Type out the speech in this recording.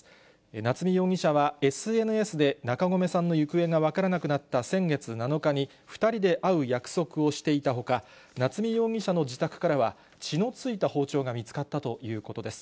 夏見容疑者はＳＮＳで中込さんの行方が分からなくなった先月７日に、２人で会う約束をしていたほか、夏見容疑者の自宅からは、血のついた包丁が見つかったということです。